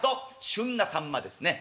旬なさんまですね。